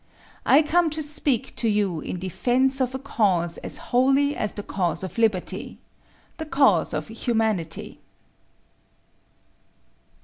I come to speak to you in defense of a cause as holy as the cause of liberty the cause of humanity.